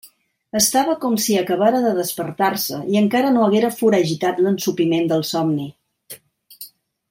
Estava com si acabara de despertar-se i encara no haguera foragitat l'ensopiment del somni.